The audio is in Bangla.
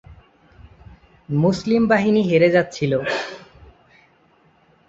মুসলিম বাহিনী হেরে যাচ্ছিল।